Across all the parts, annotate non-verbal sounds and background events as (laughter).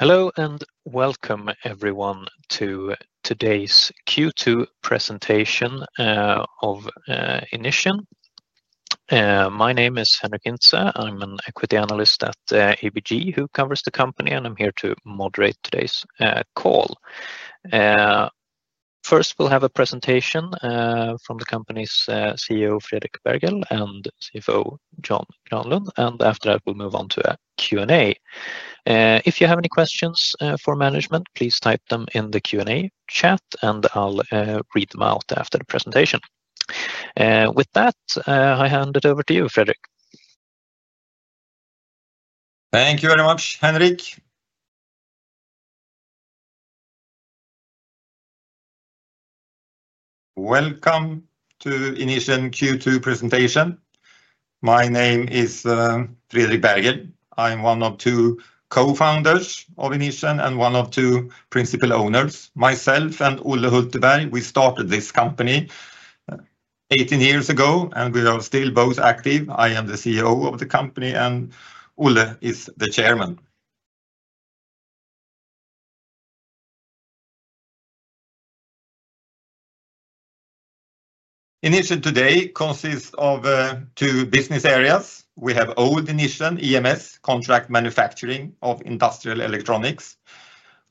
Hello and welcome, everyone, to today's Q2 Presentation of Inission. My name is Henric Hintze. I'm an Equity Analyst at ABG who covers the company, and I'm here to moderate today's call. First, we'll have a presentation from the company's CEO, Fredrik Berghel, and CFO, John Granlund. After that, we'll move on to a Q&A. If you have any questions for management, please type them in the Q&A chat, and I'll read them out after the presentation. With that, I hand it over to you, Fredrik. Thank you very much, Henric. Welcome to Inission Q2 Presentation. My name is Fredrik Berghel. I'm one of two co-founders of Inission and one of two principal owners, myself and Olle Hulteberg. We started this company 18 years ago, and we are still both active. I am the CEO of the company, and Olle is the Chairman. Inission today consists of two business areas. We have old Inission, EMS, contract manufacturing of industrial electronics.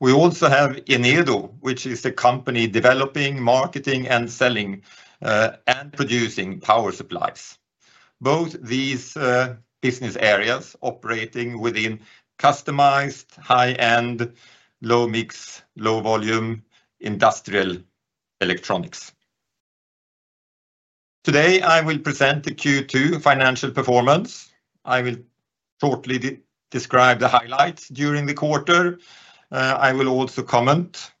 We also have Enedo, which is a company developing, marketing, and selling and producing power supplies. Both these business areas operate within customized, high-end, low-mix, low-volume industrial electronics. Today, I will present the Q2 financial performance. I will shortly describe the highlights during the quarter. I will also comment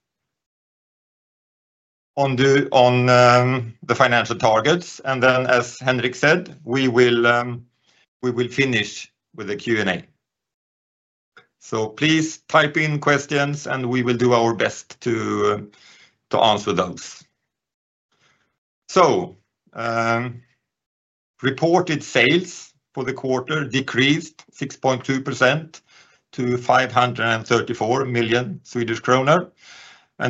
on the financial targets. As Henric said, we will finish with a Q&A. Please type in questions, and we will do our best to answer those. Reported sales for the quarter decreased 6.2% to 534 million Swedish kronor.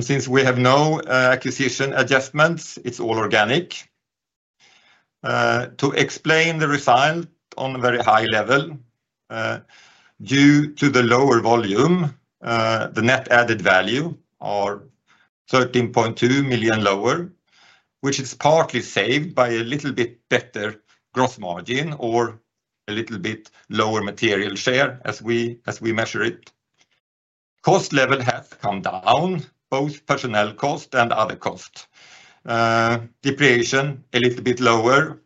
Since we have no acquisition adjustments, it's all organic. To explain the result on a very high level, due to the lower volume, the net added value is 13.2 million lower, which is partly saved by a little bit better gross margin or a little bit lower material share as we measure it. Cost level has come down, both personnel cost and other cost. Depreciation is a little bit lower.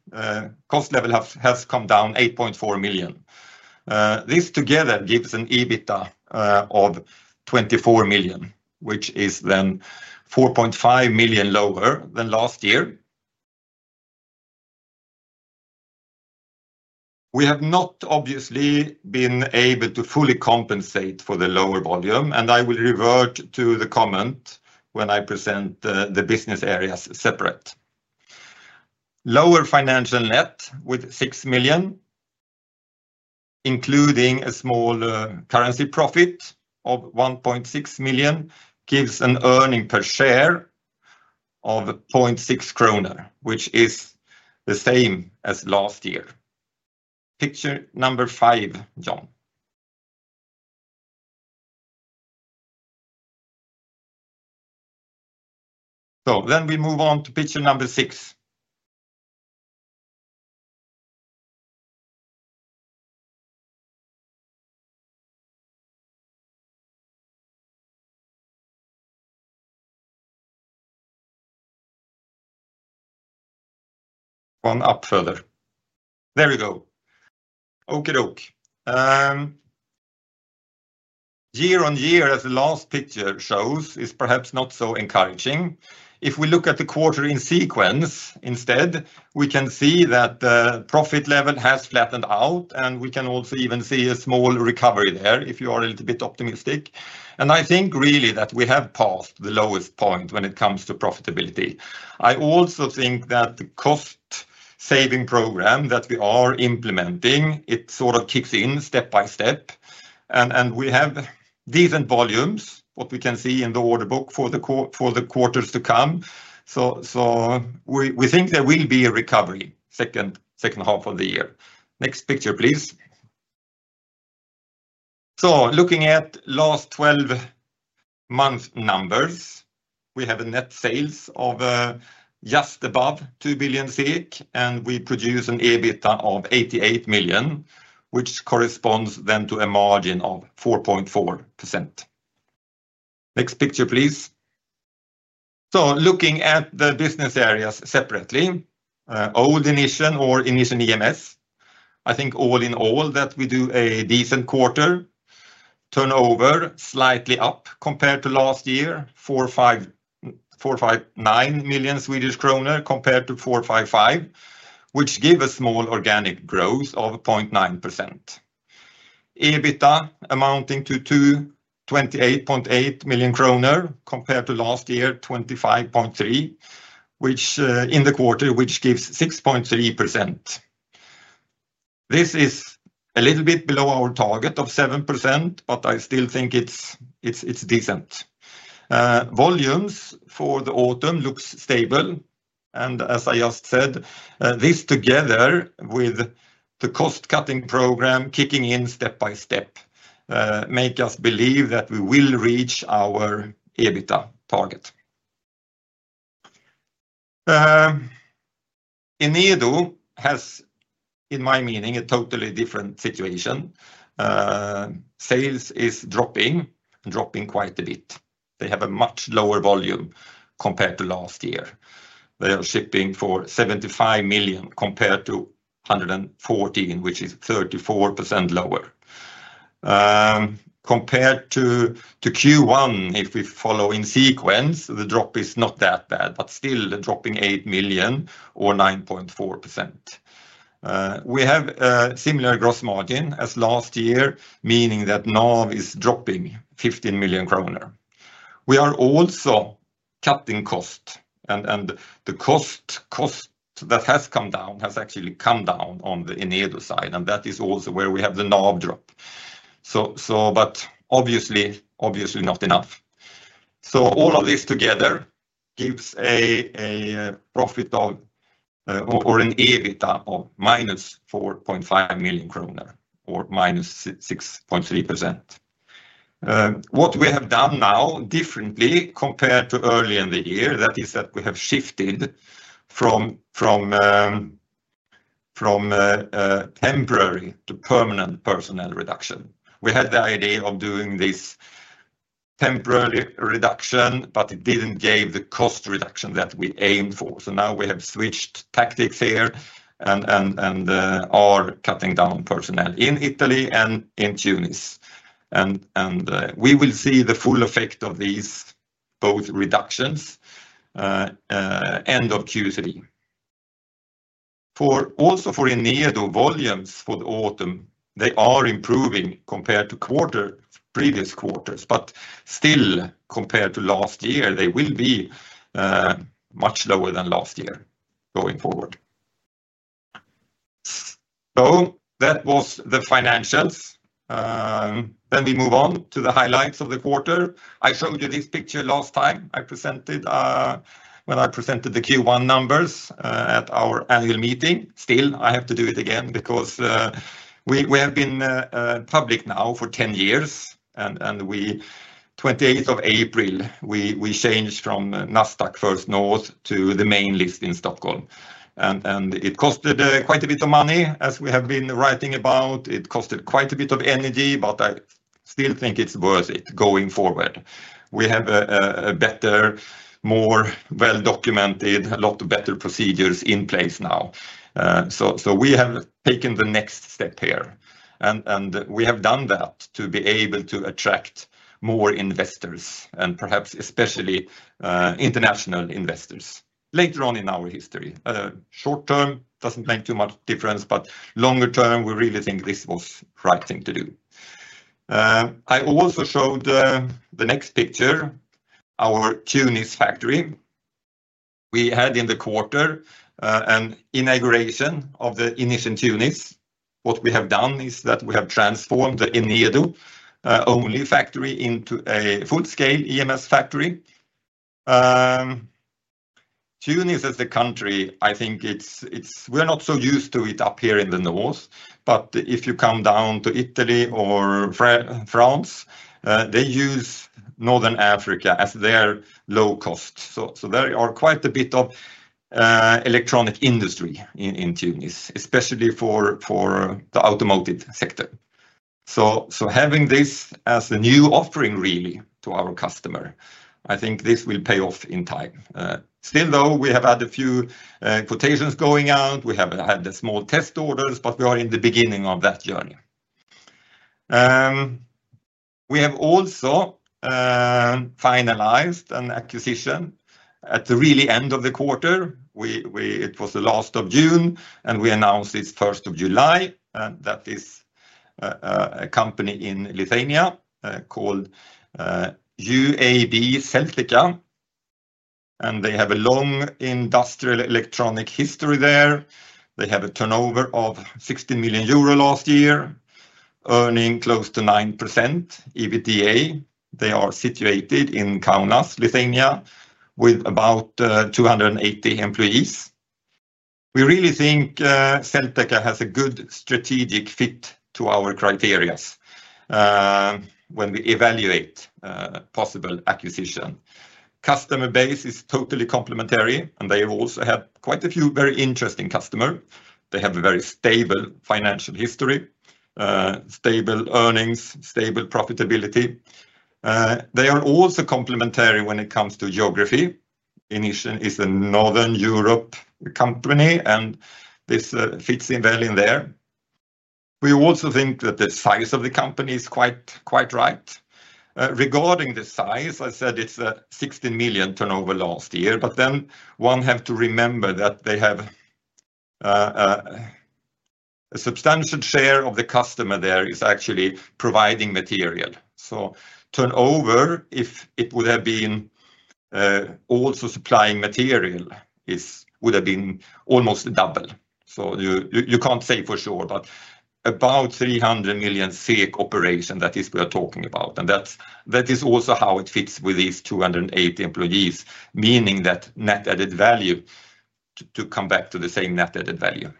Cost level has come down 8.4 million. This together gives an EBITDA of 24 million, which is then 4.5 million lower than last year. We have not obviously been able to fully compensate for the lower volume, and I will revert to the comment when I present the business areas separately. Lower financial net with 6 million, including a small currency profit of 1.6 million, gives an earning per share of 0.6 kronor, which is the same as last year. Picture number five, John. We move on to picture number six. One up further. There we go. Year-on-year, as the last picture shows, is perhaps not so encouraging. If we look at the quarter in sequence instead, we can see that the profit level has flattened out, and we can also even see a small recovery there if you are a little bit optimistic. I think really that we have passed the lowest point when it comes to profitability. I also think that the cost-saving program that we are implementing, it sort of kicks in step by step, and we have decent volumes, what we can see in the order book for the quarters to come. We think there will be a recovery second half of the year. Next picture, please. Looking at last 12 months' numbers, we have net sales of just above 2 billion, and we produce an EBITDA of 88 million, which corresponds to a margin of 4.4%. Next picture, please. Looking at the business areas separately, Old Inission or Inission EMS, I think all in all that we do a decent quarter. Turnover is slightly up compared to last year, SEK 4.9 million compared to 4.55 million, which gives a small organic growth of 0.9%. EBITDA amounting to 28.8 million kronor compared to last year, 25.3 million, which in the quarter gives 6.3%. This is a little bit below our target of 7%, but I still think it's decent. Volumes for the autumn look stable. As I just said, this together with the cost-cutting program kicking in step by step makes us believe that we will reach our EBITDA target. Enedo has, in my meaning, a totally different situation. Sales are dropping, dropping quite a bit. They have a much lower volume compared to last year. They are shipping for 75 million compared to 114 million, which is 34% lower. Compared to Q1, if we follow in sequence, the drop is not that bad, but still dropping 8 million or 9.4%. We have a similar gross margin as last year, meaning that NAV is dropping 15 million kronor. We are also cutting costs, and the cost that has come down has actually come down on the Enedo side, and that is also where we have the NAV drop. Obviously, not enough. All of this together gives a profit of, or an EBITDA of -4.5 million kronor or -6.3%. What we have done now differently compared to earlier in the year is that we have shifted from temporary to permanent personnel reduction. We had the idea of doing this temporary reduction, but it didn't give the cost reduction that we aimed for. Now we have switched tactics here and are cutting down personnel in Italy and in Tunis. We will see the full effect of these both reductions end of Q3. Also, for Enedo volumes for the autumn, they are improving compared to previous quarters, but still compared to last year, they will be much lower than last year going forward. That was the financials. We move on to the highlights of the quarter. I showed you this picture last time I presented when I presented the Q1 numbers at our annual meeting. Still, I have to do it again because we have been public now for 10 years, and on the 28th of April, we changed from Nasdaq First North to the main list in Stockholm. It cost quite a bit of money, as we have been writing about. It cost quite a bit of energy, but I still think it's worth it going forward. We have a better, more well-documented, a lot of better procedures in place now. We have taken the next step here. We have done that to be able to attract more investors and perhaps especially international investors later on in our history. Short term, it doesn't make too much difference, but longer term, we really think this was the right thing to do. I also showed the next picture, our Tunis factory. We had in the quarter an inauguration of the Inission Tunis. What we have done is that we have transformed the Enedo-only factory into a full-scale EMS factory. Tunis, as a country, I think we're not so used to it up here in the north, but if you come down to Italy or France, they use Northern Africa as their low cost. There is quite a bit of electronic industry in Tunis, especially for the automotive sector. Having this as a new offering, really, to our customer, I think this will pay off in time. Still though, we have had a few quotations going out. We have had the small test orders, but we are in the beginning of that journey. We have also finalized an acquisition at the really end of the quarter. It was the last of June, and we announced it 1st of July. That is a company in Lithuania called UAB Selteka. They have a long industrial electronic history there. They have a turnover of €60 million last year, earning close to 9% EBITDA. They are situated in Kaunas, Lithuania, with about 280 employees. We really think Selteka has a good strategic fit to our criterias when we evaluate possible acquisition. Customer base is totally complementary, and they have also had quite a few very interesting customers. They have a very stable financial history, stable earnings, stable profitability. They are also complementary when it comes to geography. Inission is a Northern Europe company, and this fits in well in there. We also think that the size of the company is quite right. Regarding the size, I said it's a €60 million turnover last year, but then one has to remember that they have a substantial share of the customer there is actually providing material. Turnover, if it would have been also supplying material, would have been almost double. You can't say for sure, but about 300 million operation that is we are talking about. That is also how it fits with these 280 employees, meaning that net added value to come back to the same net added value.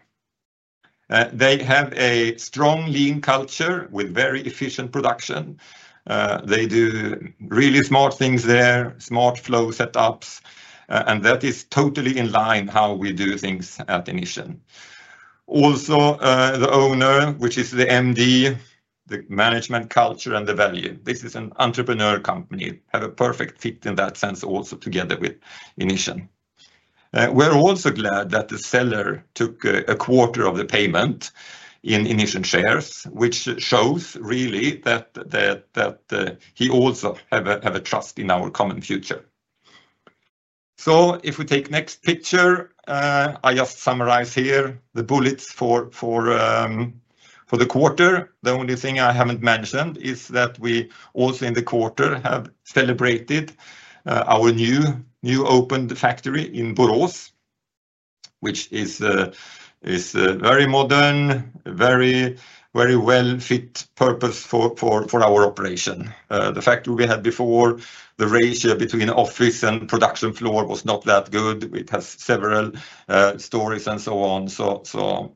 They have a strong lean culture with very efficient production. They do really smart things there, smart flow setups, and that is totally in line with how we do things at Inission. Also, the owner, which is the MD, the management culture and the value. This is an entrepreneur company. They have a perfect fit in that sense also together with Inission. We're also glad that the seller took a quarter of the payment in Inission shares, which shows really that he also has a trust in our common future. If we take the next picture, I just summarize here the bullets for the quarter. The only thing I haven't mentioned is that we also in the quarter have celebrated our new opened factory in Borås, which is very modern, very well-fit purpose for our operation. The factory we had before, the ratio between office and production floor was not that good. It has several stories and so on.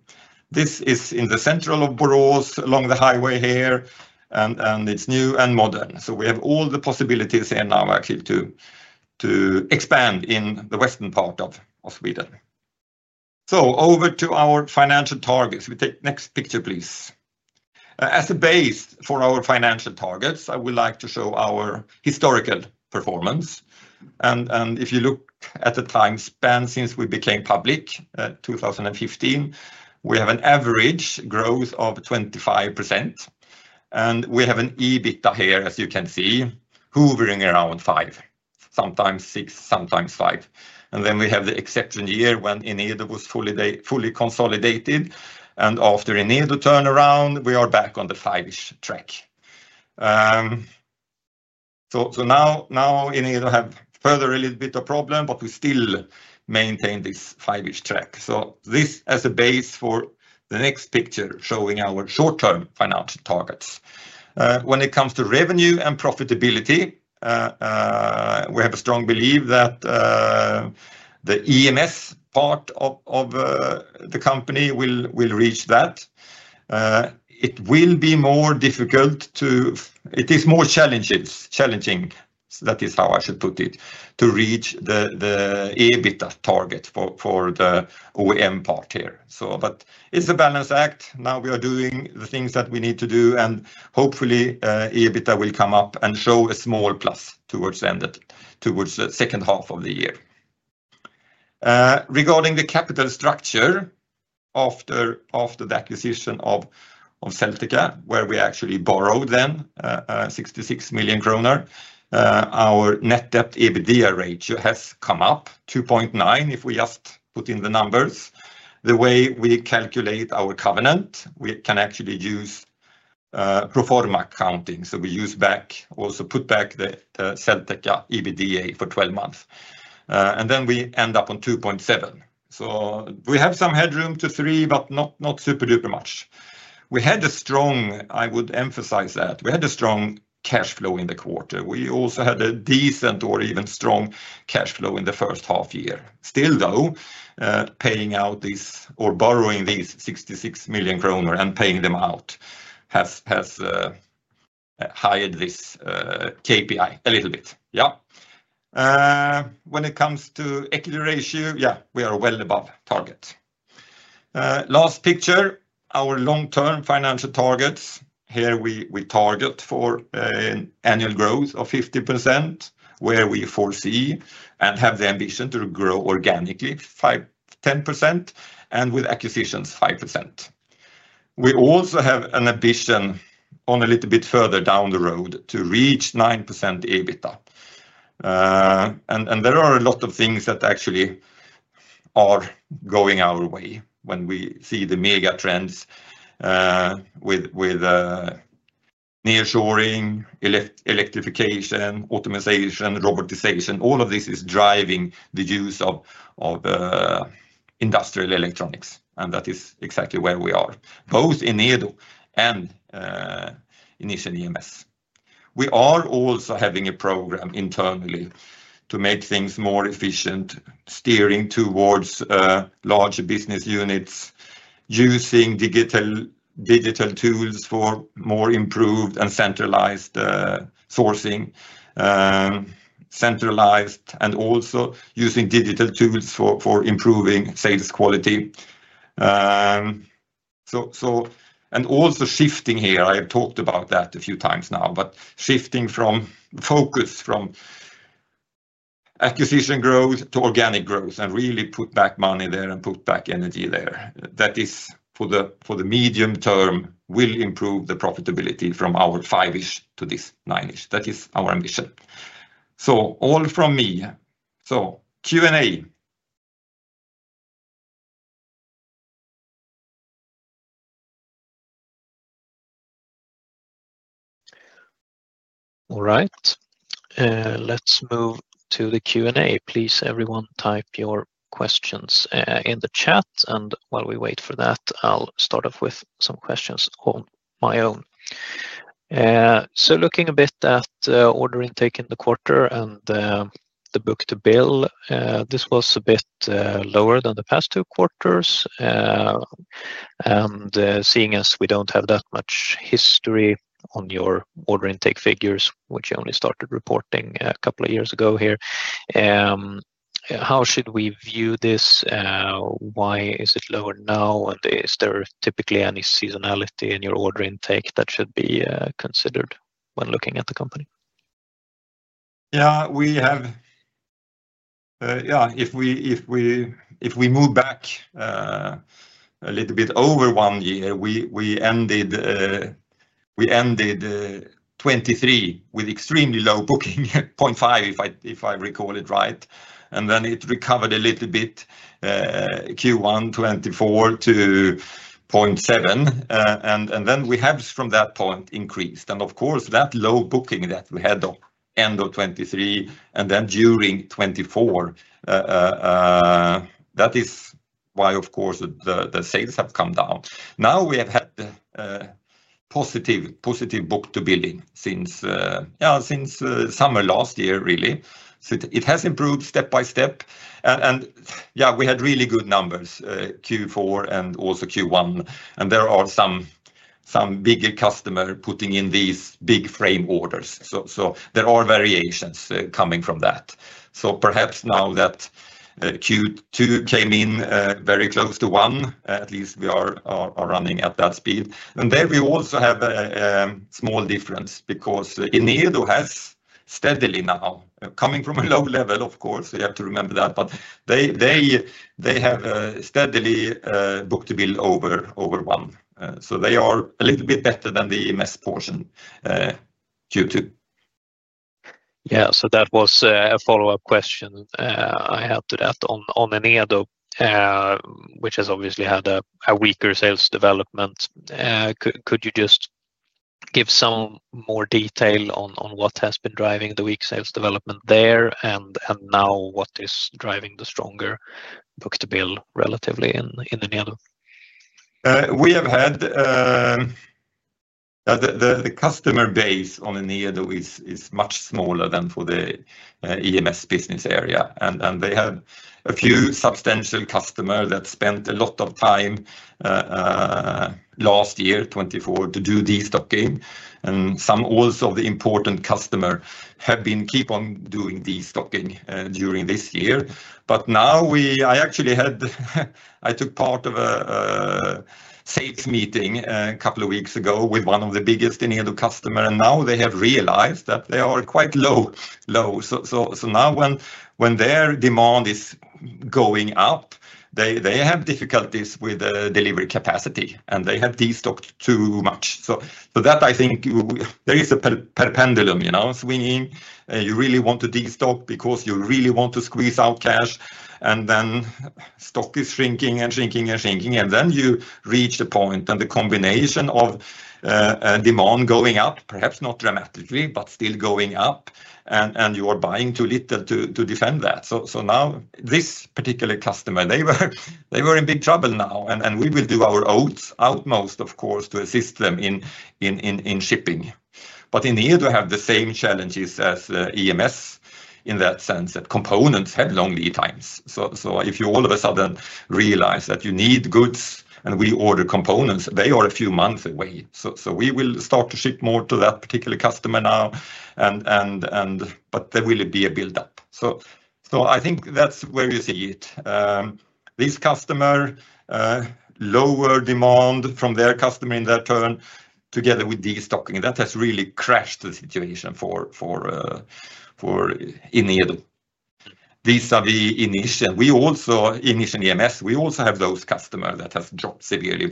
This is in the center of Borås, along the highway here, and it's new and modern. We have all the possibilities here now actually to expand in the western part of Sweden. Over to our financial targets. We take the next picture, please. As a base for our financial targets, I would like to show our historical performance. If you look at the time span since we became public, 2015, we have an average growth of 25%. We have an EBITDA here, as you can see, hovering around 5%, sometimes 6%, sometimes 5%. Then we have the exception year when Enedo was fully consolidated. After Enedo turnaround, we are back on the 5%-ish track. Now Enedo has further a little bit of a problem, but we still maintain this 5%-ish track. This as a base for the next picture showing our short-term financial targets. When it comes to revenue and profitability, we have a strong belief that the EMS part of the company will reach that. It will be more difficult to, it is more challenging, that is how I should put it, to reach the EBITDA target for the OEM part here. It's a balanced act. Now we are doing the things that we need to do, and hopefully, EBITDA will come up and show a small plus towards the second half of the year. Regarding the capital structure after the acquisition of Selteka, where we actually borrowed 66 million kronor, our net debt/EBITDA ratio has come up to 2.9% if we just put in the numbers. The way we calculate our covenant, we can actually use pro forma accounting. We also put back the Selteka EBITDA for 12 months, and then we end up on 2.7%. We have some headroom to 3%, but not super duper much. I would emphasize that we had a strong cash flow in the quarter. We also had a decent or even strong cash flow in the first half year. Still, paying out these or borrowing these 66 million kronor and paying them out has raised this KPI a little bit. When it comes to equity ratio, we are well above target. Last picture, our long-term financial targets. Here we target for an annual growth of 15%, where we foresee and have the ambition to grow organically 5-10% and with acquisitions 5%. We also have an ambition a little bit further down the road to reach 9% EBITDA. There are a lot of things that actually are going our way when we see the megatrends with nearshoring, electrification, optimization, robotization. All of this is driving the use of industrial electronics, and that is exactly where we are, both in Enedo and Inission EMS. We are also having a program internally to make things more efficient, steering towards large business units, using digital tools for more improved and centralized sourcing, and also using digital tools for improving sales quality. I have talked about that a few times now, but shifting focus from acquisition growth to organic growth and really put back money there and put back energy there. That is for the medium term, will improve the profitability from our 5%-ish to this 9%-ish. That is our ambition. All from me. Q&A. All right. Let's move to the Q&A. Please, everyone, type your questions in the chat. While we wait for that, I'll start off with some questions on my own. Looking a bit at order intake in the quarter and the book-to-bill, this was a bit lower than the past two quarters. Seeing as we don't have that much history on your order intake figures, which you only started reporting a couple of years ago here, how should we view this? Why is it lower now? Is there typically any seasonality in your order intake that should be considered when looking at the company? If we move back a little bit over one year, we ended 2023 with extremely low booking, 0.5%, if I recall it right. It recovered a little bit Q1 2024 to 0.7%. From that point, we have increased. That low booking that we had at the end of 2023 and then during 2024 is why the sales have come down. We have had a positive book-to-billing since summer last year, really. It has improved step by step. We had really good numbers Q4 and also Q1. There are some bigger customers putting in these big frame orders, so there are variations coming from that. Perhaps now that Q2 came in very close to one, at least we are running at that speed. There we also have a small difference because Enedo has steadily now, coming from a low level, of course, we have to remember that, but they have steadily booked to bill over one. They are a little bit better than the EMS portion Q2. Yeah, that was a follow-up question I had to that on Enedo, which has obviously had a weaker sales development. Could you just give some more detail on what has been driving the weak sales development there, and now what is driving the stronger book-to-bill relatively in Enedo? We have had the customer base on Enedo is much smaller than for the EMS business area. They have a few substantial customers that spent a lot of time last year, 2024, to do destocking. Some also of the important customers have been keeping on doing destocking during this year. I actually had, I took part of a sales meeting a couple of weeks ago with one of the biggest Enedo customers. They have realized that they are quite low. Now when their demand is going up, they have difficulties with the delivery capacity. They have destocked too much. I think there is a pendulum. You really want to destock because you really want to squeeze out cash. Then stock is shrinking and shrinking and shrinking. You reach the point and the combination of demand going up, perhaps not dramatically, but still going up, and you are buying too little to defend that. This particular customer, they were in big trouble now. We will do our utmost, of course, to assist them in shipping. Enedo have the same challenges as EMS in that sense that components have long lead times. If you all of a sudden realize that you need goods and we order components, they are a few months away. We will start to ship more to that particular customer now, but there will be a build-up. I think that's where you see it. This customer, lower demand from their customer in their turn together with destocking, that has really crashed the situation for Enedo. These are the Inission. We also, Inission EMS, we also have those customers that have dropped severely.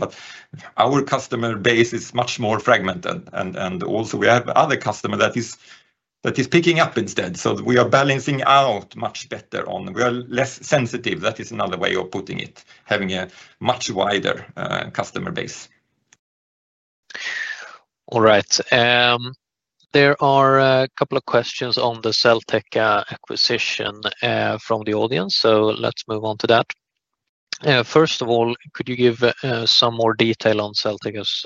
Our customer base is much more fragmented. We have other customers that are picking up instead. We are balancing out much better on them. We are less sensitive. That is another way of putting it, having a much wider customer base. All right. There are a couple of questions on the Selteka acquisition from the audience. Let's move on to that. First of all, could you give some more detail on Selteka's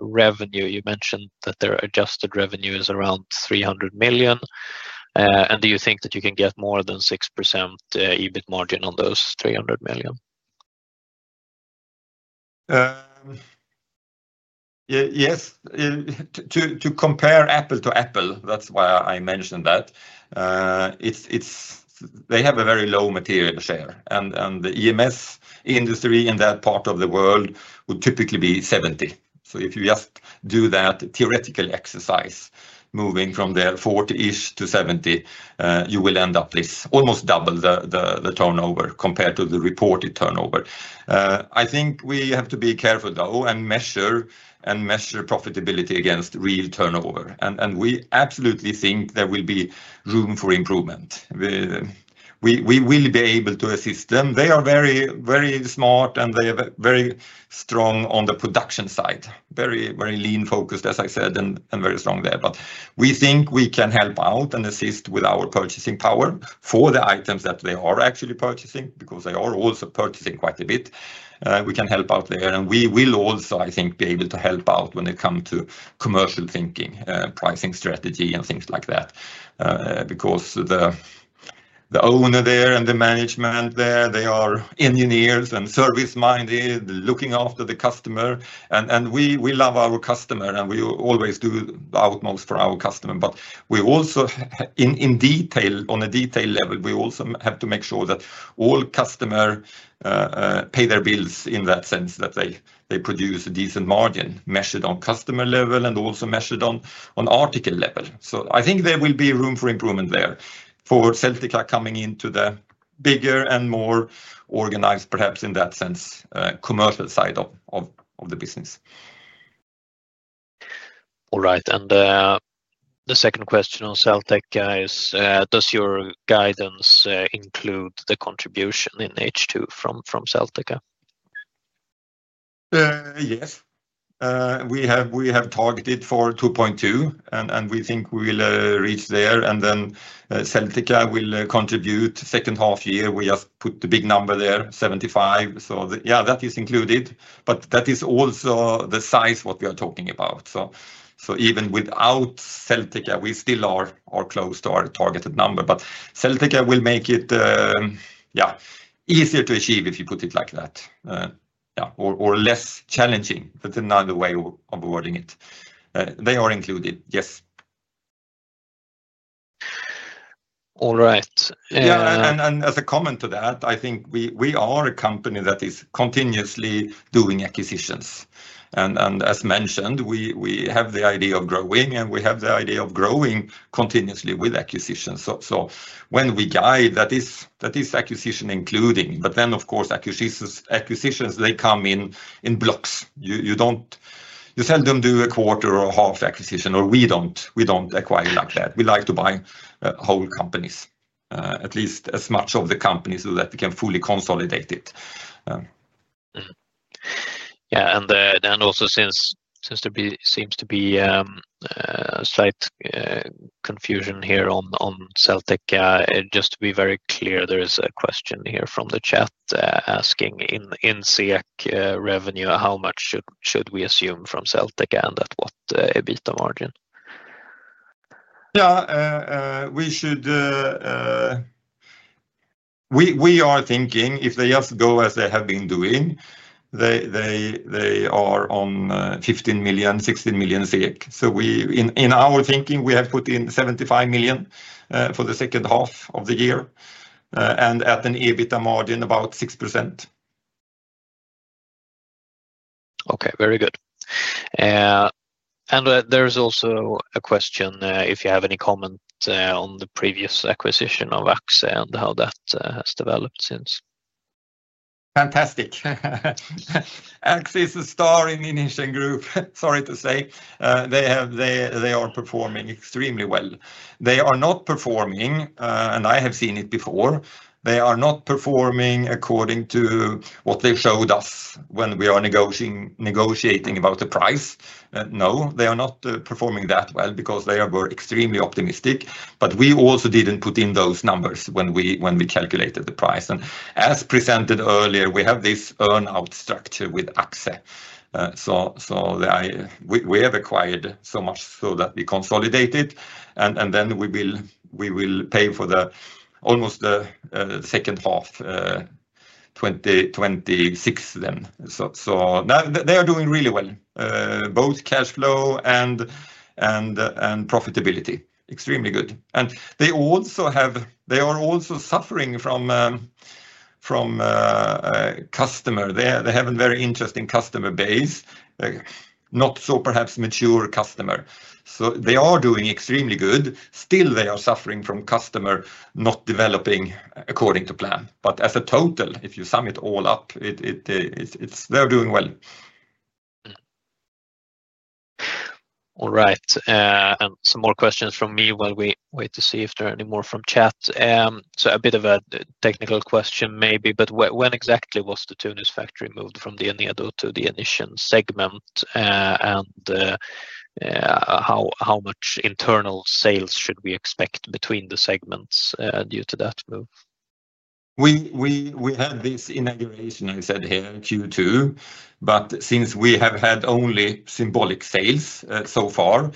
revenue? You mentioned that their adjusted revenue is around 300 million. Do you think that you can get more than 6% EBIT margin on those 300 million? Yes. To compare apple to apple, that's why I mentioned that. They have a very low material share. The EMS industry in that part of the world would typically be 70%. If you just do that theoretical exercise, moving from their 40%-ish to 70%, you will end up with almost double the turnover compared to the reported turnover. I think we have to be careful though and measure profitability against real turnover. We absolutely think there will be room for improvement. We will be able to assist them. They are very, very smart and they are very strong on the production side. Very, very lean focused, as I said, and very strong there. We think we can help out and assist with our purchasing power for the items that they are actually purchasing because they are also purchasing quite a bit. We can help out there. We will also, I think, be able to help out when it comes to commercial thinking, pricing strategy, and things like that. The owner there and the management there, they are engineers and service-minded, looking after the customer. We love our customer, and we always do our utmost for our customer. We also, in detail, on a detail level, have to make sure that all customers pay their bills in that sense that they produce a decent margin, measured on customer level and also measured on article level. I think there will be room for improvement there for Selteka coming into the bigger and more organized, perhaps in that sense, commercial side of the business. All right. The second question on Selteka is, does your guidance include the contribution in H2 from Selteka? Yes. We have targeted for 2.2%, and we think we will reach there. Selteka will contribute the second half year. We just put the big number there, 75%. That is included. That is also the size of what we are talking about. Even without Selteka, we still are close to our targeted number. Selteka will make it easier to achieve, if you put it like that, or less challenging. That's another way of wording it. They are included, yes. All right. (crosstalk) Yeah. As a comment to that, I think we are a company that is continuously doing acquisitions. As mentioned, we have the idea of growing, and we have the idea of growing continuously with acquisitions. When we guide, that is acquisition including. Of course, acquisitions come in blocks. You don't, you seldom do a quarter or half acquisition, or we don't. We don't acquire like that. We like to buy whole companies, at least as much of the companies so that we can fully consolidate it. Yeah, since there seems to be a slight confusion here on Selteka, just to be very clear, there is a question here from the chat asking in SEK revenue, how much should we assume from Selteka and at what EBITDA margin? We are thinking if they just go as they have been doing, they are on 15 million-16 million. In our thinking, we have put in 75 million for the second half of the year and at an EBITDA margin about 6%. Okay. Very good. There is also a question if you have any comment on the previous acquisition of AXXE and how that has developed since. Fantastic. AXXE is a star in the Inission Group. Sorry to say. They are performing extremely well. They are not performing, and I have seen it before. They are not performing according to what they showed us when we were negotiating about the price. They are not performing that well because they were extremely optimistic. We also didn't put in those numbers when we calculated the price. As presented earlier, we have this earnout structure with AXXE. We have acquired so much so that we consolidate it, and we will pay for almost the second half, 2026 then. They are doing really well. Both cash flow and profitability are extremely good. They also have, they are also suffering from customers. They have a very interesting customer base, not so perhaps mature customer. They are doing extremely good. Still, they are suffering from customers not developing according to plan. As a total, if you sum it all up, they're doing well. All right. Some more questions from me while we wait to see if there are any more from chat. A bit of a technical question maybe, but when exactly was the Tunis factory moved from the Enedo to the Inission segment? How much internal sales should we expect between the segments due to that move? We had this inauguration, as I said here, Q2. Since we have had only symbolic sales so far,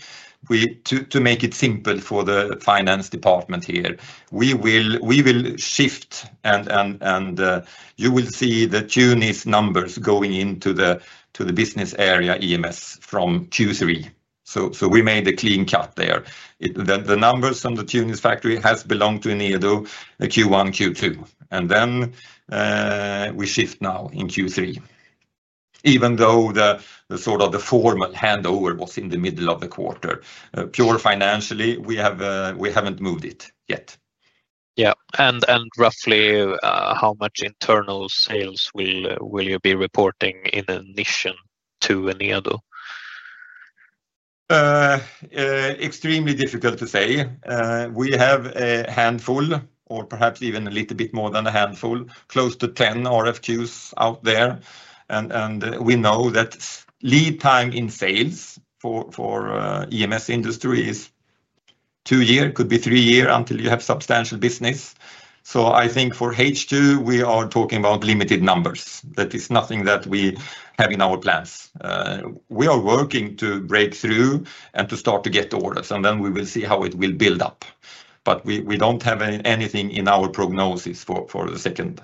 to make it simple for the finance department here, we will shift and you will see the Tunis numbers going into the business area EMS from Q3. We made a clean cut there. The numbers from the Tunis factory have belonged to Enedo Q1, Q2, and then we shift now in Q3. Even though the sort of the format handover was in the middle of the quarter, pure financially, we haven't moved it yet. Yeah. Roughly, how much internal sales will you be reporting in Inission to Enedo? Extremely difficult to say. We have a handful, or perhaps even a little bit more than a handful, close to 10 RFQs out there. We know that lead time in sales for EMS industry is two years, could be three years until you have substantial business. I think for H2, we are talking about limited numbers. That is nothing that we have in our plans. We are working to break through and to start to get orders. We will see how it will build up. We don't have anything in our prognosis for the second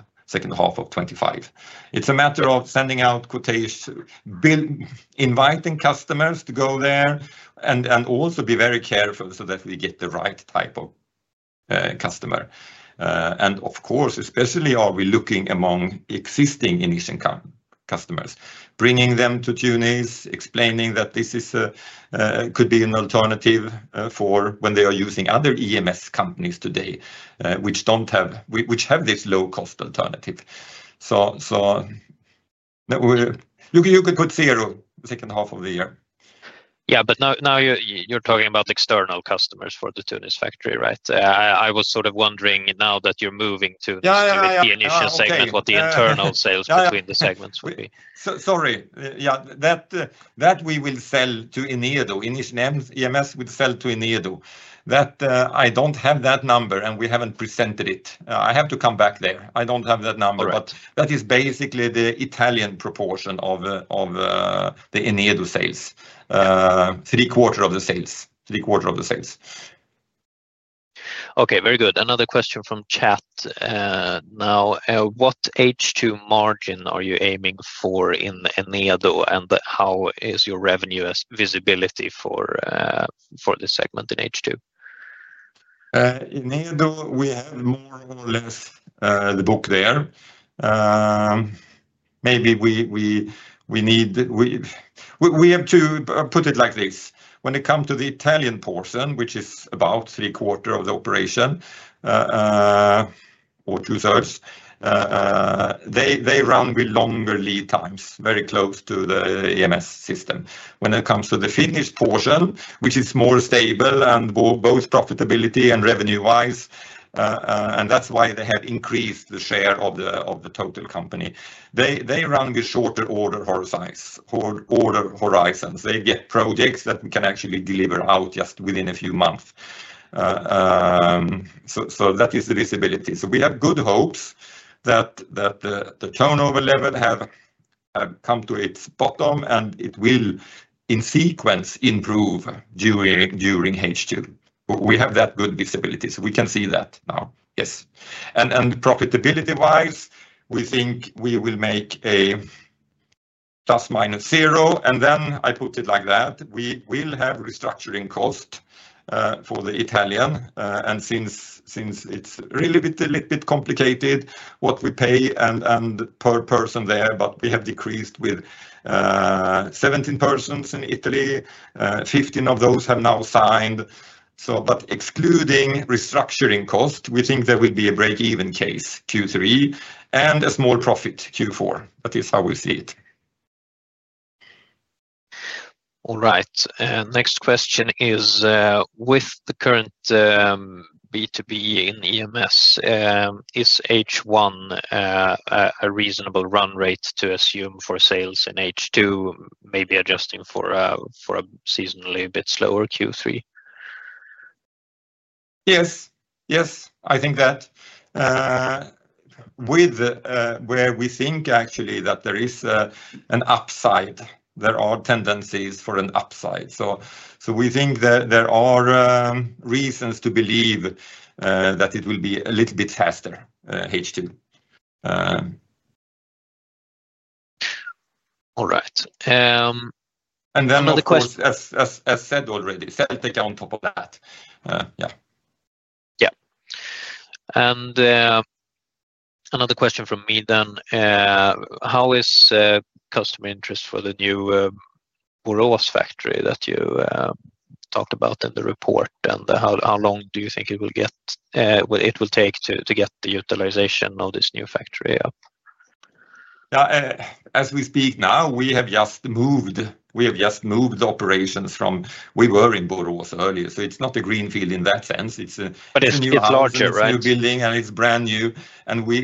half of 2025. It's a matter of sending out quotations, inviting customers to go there, and also be very careful so that we get the right type of customer. Of course, especially are we looking among existing Inission customers, bringing them to Tunis, explaining that this could be an alternative for when they are using other EMS companies today, which have this low-cost alternative. You could put zero second half of the year. Yeah, but now you're talking about external customers for the Tunis factory, right? I was sort of wondering now that you're moving to the Inission segment, what the internal sales between the segments would be. (crosstalk) Sorry. Yeah, that we will sell to Enedo. Inission EMS will sell to Enedo. I don't have that number, and we haven't presented it. I have to come back there. I don't have that number. That is basically the Italian proportion of the Enedo sales, 3/4 of the sales. Three-quarters of the sales. Okay, very good. Another question from chat. Now, what H2 margin are you aiming for in Enedo, and how is your revenue visibility for this segment in H2? Enedo, we have more or less the book there. Maybe we need, we have to put it like this. When it comes to the Italian portion, which is about 3/4 of the operation, or 2/3, they run with longer lead times, very close to the EMS system. When it comes to the Finnish portion, which is more stable in both profitability and revenue-wise, and that's why they have increased the share of the total company. They run with shorter order horizons. They get projects that can actually deliver out just within a few months. That is the visibility. We have good hopes that the turnover level has come to its bottom, and it will in sequence improve during H2. We have that good visibility. We can see that now. Yes. Profitability-wise, we think we will make a ±0. I put it like that. We will have restructuring costs for the Italian. Since it's really a little bit complicated, what we pay per person there, but we have decreased with 17 persons in Italy. 15 of those have now signed. Excluding restructuring costs, we think there will be a break-even case Q3 and a small profit Q4. That is how we see it. All right. Next question is, with the current B2B in EMS, is H1 a reasonable run rate to assume for sales in H2, maybe adjusting for a seasonally a bit slower Q3? Yes, I think that where we think actually that there is an upside, there are tendencies for an upside. We think that there are reasons to believe that it will be a little bit faster H2. All right. (crosstalk) As said already, Selteka on top of that. How is customer interest for the new Borås factory that you talk about in the report? How long do you think it will take to get the utilization of this new factory up? As we speak now, we have just moved. We have just moved operations from where we were in Borås earlier. It's not a greenfield in that sense. It is larger, right? (crosstalk) It's a new building, and it's brand new.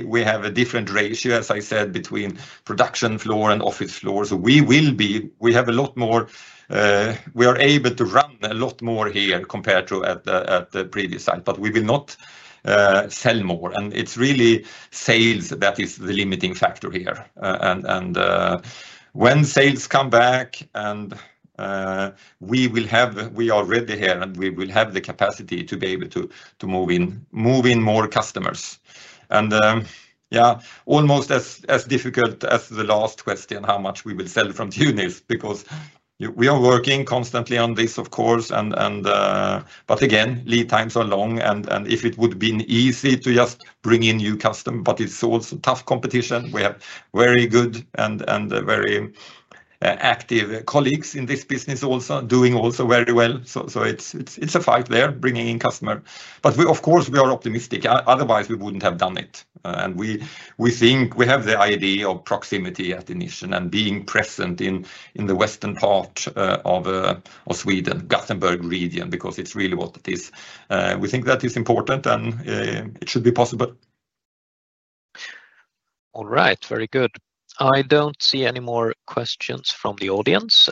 We have a different ratio, as I said, between production floor and office floor. We have a lot more, we are able to run a lot more here compared to at the previous site. We will not sell more. It's really sales that is the limiting factor here. When sales come back, we are ready here, and we will have the capacity to be able to move in more customers. Almost as difficult as the last question, how much we will sell from Tunis, because we are working constantly on this, of course. Lead times are long. If it would have been easy to just bring in new customers, but it's also tough competition. We have very good and very active colleagues in this business also doing also very well. It's a fight there, bringing in customers. Of course, we are optimistic. Otherwise, we wouldn't have done it. We think we have the idea of proximity at Inission and being present in the western part of Sweden, Gothenburg region, because it's really what it is. We think that is important, and it should be possible. All right. Very good. I don't see any more questions from the audience.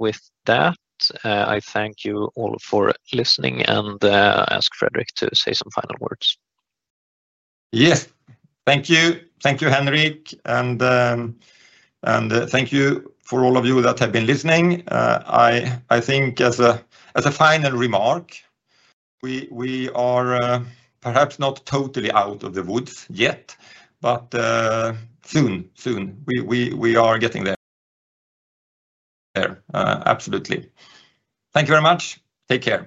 With that, I thank you all for listening and ask Fredrik to say some final words. Yes. Thank you. Thank you, Henric. Thank you for all of you that have been listening. I think as a final remark, we are perhaps not totally out of the woods yet, but soon, soon we are getting there. Absolutely. Thank you very much. Take care.